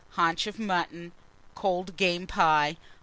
_ Haunch of Mutton. Cold Game Pie.